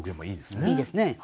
いいですね。